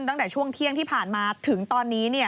ตั้งแต่ช่วงเที่ยงที่ผ่านมาถึงตอนนี้